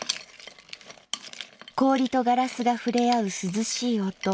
「氷とガラスがふれあう涼しい音。